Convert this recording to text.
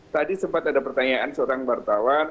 tadi sempat ada pertanyaan seorang wartawan